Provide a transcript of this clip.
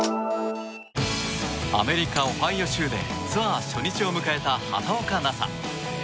アメリカ・オハイオ州でツアー初日を迎えた畑岡奈紗。